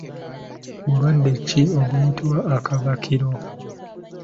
Bulwadde ki obuyitibwa akabakiro?